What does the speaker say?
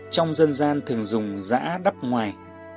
trong dân gian thường dùng giã đắp ngoài